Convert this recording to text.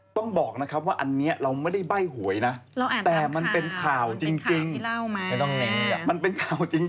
ต้องบอกนะครับว่าอันนี้เราไม่ได้ใบ้หวยนะแต่มันเป็นข่าวจริงมันเป็นข่าวจริง